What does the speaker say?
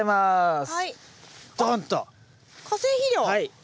はい。